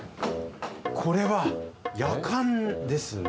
これはやかんですね。